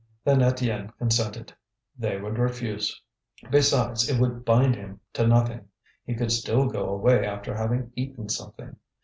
Then Étienne consented. They would refuse. Besides, it would bind him to nothing, he could still go away after having eaten something.